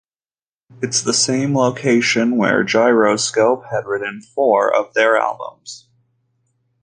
It is the same location where Gyroscope had written four of their albums.